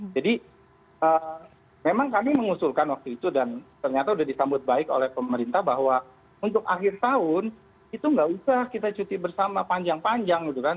jadi memang kami mengusulkan waktu itu dan ternyata sudah disambut baik oleh pemerintah bahwa untuk akhir tahun itu nggak usah kita cuti bersama panjang panjang gitu kan